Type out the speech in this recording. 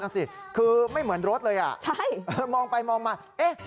เออคือไม่เหมือนรถเลยอ่ะมองไปมองมาใช่